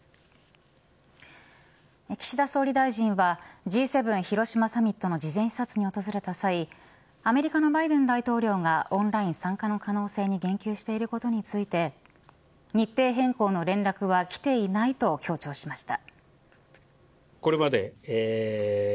岸田総理大臣はＧ７広島サミットの事前視察に訪れた際アメリカのバイデン大統領がオンライン参加の可能性に言及していることについて日程変更の連絡はきていないと強調しました。